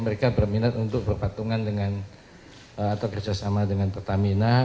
mereka berminat untuk berpatungan dengan atau kerjasama dengan pertamina